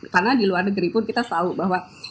karena di luar negeri pun kita tahu bahwa